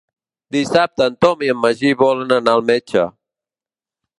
Dissabte en Tom i en Magí volen anar al metge.